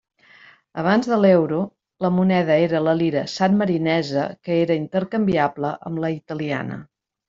Abans de l'euro la moneda era la lira sanmarinesa que era intercanviable amb la italiana.